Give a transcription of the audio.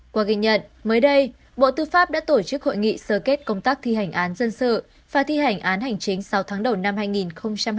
qua ghi nhận mới đây bộ tư pháp đã tổ chức hội nghị sơ kết công tác thi hành án dân sự và thi hành án hành chính sáu tháng đầu năm hai nghìn hai mươi